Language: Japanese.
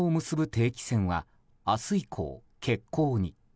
定期船は明日以降、欠航に。